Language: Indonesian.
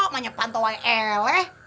banyak panto yang eleh